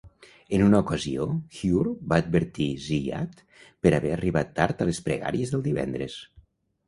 En una ocasió, Hujr va advertir Ziyad per haver arribat tard a les pregàries del divendres.